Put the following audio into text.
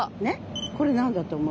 これなんだと思う？